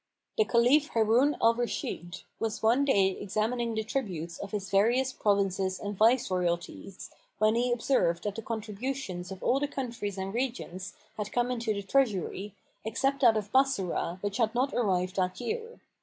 [FN#476] The Caliph Harun al Rashid was one day examining the tributes of his various provinces and viceroyalties, when he observed that the contributions of all the countries and regions had come into the treasury, except that of Bassorah which had not arrived that year.